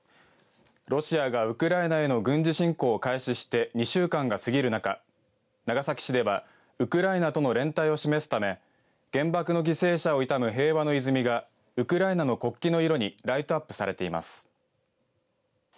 ロシアがウクライナへの軍事侵攻を開始して２週間が過ぎる中長崎市ではウクライナとの連帯を示すため原爆の犠牲者を悼む平和の泉がウクライナの国旗の色にライトアップされています。